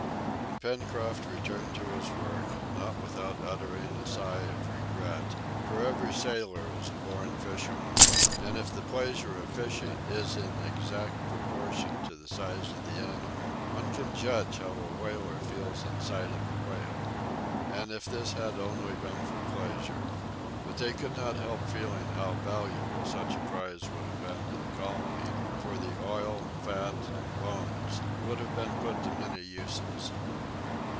And Pencroft returned to his work, not without uttering a sigh of regret, for every sailor is a born fisherman, and if the pleasure of fishing is in exact proportion to the size of the animal, one can judge how a whaler feels in sight of a whale. And if this had only been for pleasure! But they could not help feeling how valuable such a prize would have been to the colony, for the oil, fat, and bones would have been put to many uses.